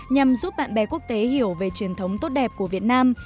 nhằm giúp bạn bè quốc tế hiểu về truyền thống tốt đẹp của việt nam